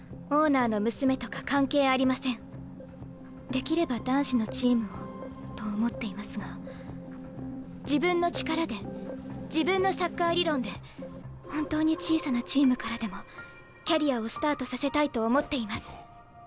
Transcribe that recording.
できれば男子のチームをと思っていますが自分の力で自分のサッカー理論で本当に小さなチームからでもキャリアをスタートさせたいと思っています。